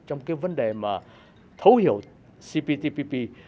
trong cái vấn đề mà thấu hiểu cptpp